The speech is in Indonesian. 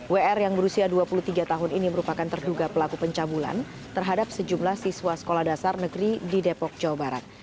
wr yang berusia dua puluh tiga tahun ini merupakan terduga pelaku pencabulan terhadap sejumlah siswa sekolah dasar negeri di depok jawa barat